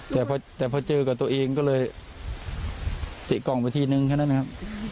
แต่พอเจอกับตัวเองก็เลยติกล่องไปทีนึงแค่นั้นนะครับ